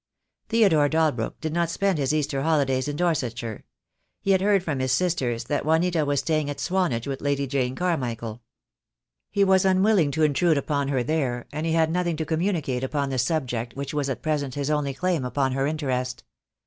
Theodore Dalbrook did not spend his Easter holidays in Dorsetshire. He had heard from his sisters that Juanita was staying at Swanage with Lady Jane Carmicheal. He was unwilling to intrude upon her there, and he had no thing to communicate upon the subject which was at present his only claim upon her interest.